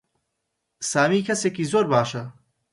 سامی کەسێکی زۆر باشە.